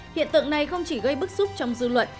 hiện tượng này không chỉ gây bức xúc trong dư luận